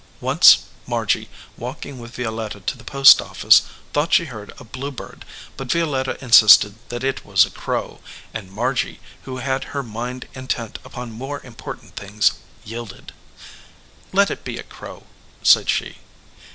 Once Margy, walking* with Vio letta to the post office, thought she heard a blue bird, but Violetta insisted that it was a crow, and Margy, who had her mind intent upon more impor tant things, yielded. "Let it be a crow," said she.